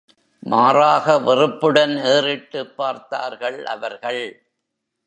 மாறாக வெறுப்புடன் ஏறிட்டுப் பார்த்தார்கள் அவர்கள்.